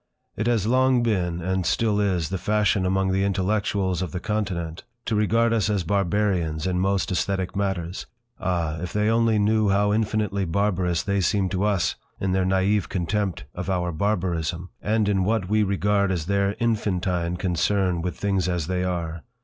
It has long been, and still is, the fashion among the intellectuals of the Continent to regard us as barbarians in most aesthetic matters. Ah! If they only knew how infinitely barbarous they seem to us in their naive contempt of our barbarism, and in what we regard as their infantine concern with things as they are.